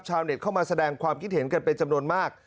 เข้ามาแสดงความคิดเห็นกันเป็นจำนวนมาก